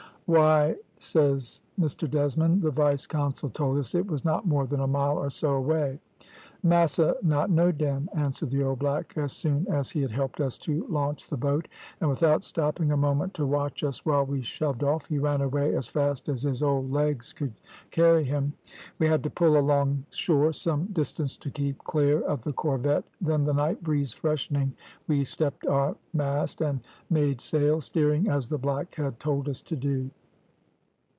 "`Why,' says Mr Desmond, `the vice consul told us it was not more than a mile or so away.' "`Massa not know, den,' answered the old black, as soon as he had helped us to launch the boat; and without stopping a moment to watch us while we shoved off, he ran away as fast as his old legs could carry him. We had to pull along shore some distance to keep clear of the corvette, then the night breeze freshening we stepped our mast and made sail, steering as the black had told us to do.